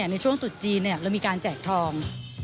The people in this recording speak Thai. ในช่วงตุดจีนเรามีการแจกทอง